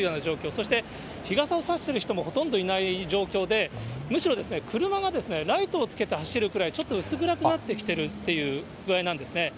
そして、日傘を差している人もほとんどいない状況で、むしろ、車がライトをつけて走るくらい、ちょっと薄暗くなってきているっていう具合なんですね。